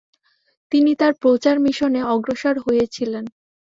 তিনি তার প্রচার মিশনে অগ্রসর হয়েছিলেন।